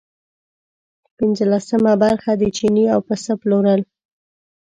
پنځلسمه برخه د چیني او پسه پلورل.